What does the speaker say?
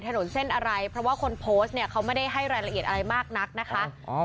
ถนนเส้นอะไรเพราะว่าคนโพสต์เนี่ยเขาไม่ได้ให้รายละเอียดอะไรมากนักนะคะ